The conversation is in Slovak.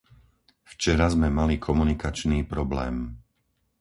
Včera sme mali komunikačný problém.